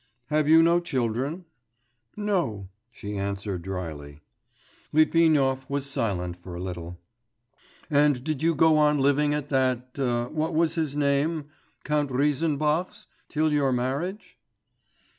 'Have you no children?' 'No,' she answered drily. Litvinov was silent for a little. 'And did you go on living at that, what was his name, Count Reisenbach's, till your marriage?